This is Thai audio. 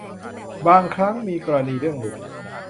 บางครั้งมีกรณีเรื่องหลุด